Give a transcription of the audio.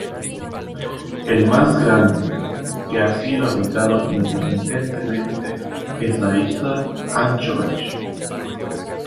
El más grande, que ha sido habitado intermitentemente, es la isla Anchorage.